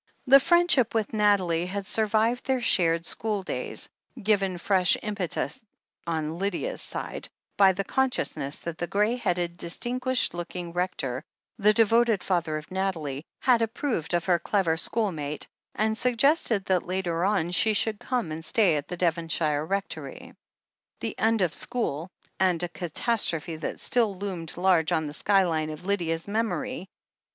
The friendship with Nathalie had survived their shared school days, given fresh im petus, on Lydia's side, by the consciousness that the grey headed, distinguished looking Rector, the devoted father of Nathalie, had approved of her clever school mate, and suggested that later on she should come and stay at the Devonshire Rectory. The end of school — ^and a catastrophe that still loomed large on the sky line of Lydia's memory.